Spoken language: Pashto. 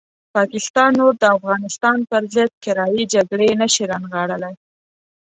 پاکستان نور د افغانستان پرضد کرایي جګړې نه شي رانغاړلی.